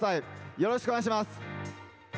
よろしくお願いします。